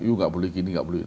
yuk gak boleh gini gak boleh itu